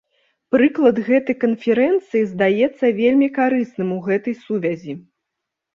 Прыклад гэтай канферэнцыі здаецца вельмі карысным у гэтай сувязі.